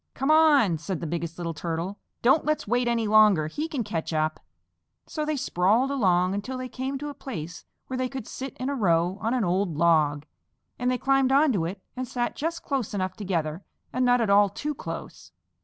"Come on," said the Biggest Little Turtle. "Don't let's wait any longer. He can catch up." So they sprawled along until they came to a place where they could sit in a row on an old log, and they climbed onto it and sat just close enough together and not at all too close.